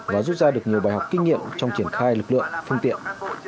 và rút ra được nhiều bài học kinh nghiệm trong triển khai lực lượng phương tiện